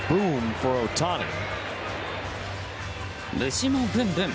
虫もブンブン！